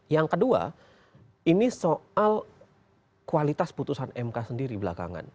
yang kedua ini soal kualitas putusan mk sendiri belakangan